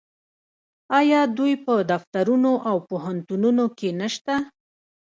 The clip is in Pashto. آیا دوی په دفترونو او پوهنتونونو کې نشته؟